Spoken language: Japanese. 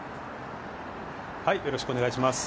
よろしくお願いします。